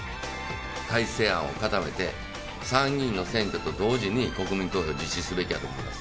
改正案を固めて、参議院の選挙と同時に国民投票を実施すべきやと思います。